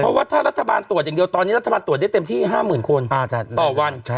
เพราะว่าถ้ารัฐบาลตรวจอย่างเดียวตอนนี้รัฐบาลตรวจได้เต็มที่๕๐๐๐คนต่อวัน